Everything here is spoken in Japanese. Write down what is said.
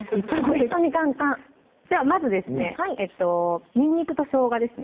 ほんとに簡単じゃあまずですねにんにくとしょうがですね